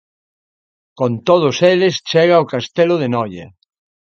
Con todos eles chega ao castelo de Noia.